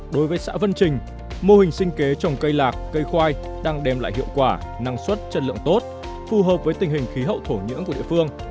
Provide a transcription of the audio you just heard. đối với xã vân trình mô hình sinh kế trồng cây lạc cây khoai đang đem lại hiệu quả năng suất chất lượng tốt phù hợp với tình hình khí hậu thổ nhưỡng của địa phương